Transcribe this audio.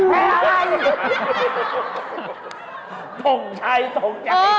มาให้ชาม